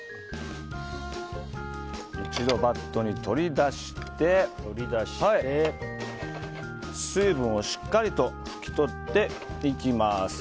一度バットに取り出して水分をしっかりと拭き取っていきます。